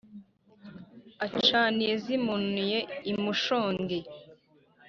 acaniye ziminuye i mushongi